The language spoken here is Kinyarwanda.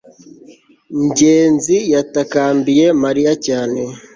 ngenzi yatakambiye mariya cyane